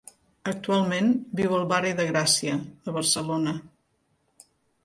Actualment viu al barri de Gràcia, a Barcelona.